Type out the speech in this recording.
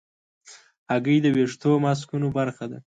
هګۍ د ویښتو ماسکونو برخه ده.